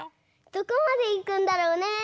どこまでいくんだろうね？